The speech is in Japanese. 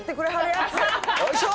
よいしょ！